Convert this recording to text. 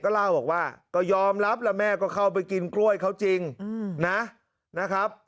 เล่าบอกว่าก็ยอมรับแล้วแม่ก็เข้าไปกินกล้วยเขาจริงนะครับ